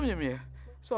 nggak ada apa apa